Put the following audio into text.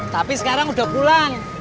tapi sekarang udah pulang